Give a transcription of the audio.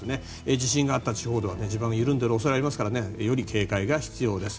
地震があった地方では地盤が緩んでいる恐れがありますのでより警戒が必要です。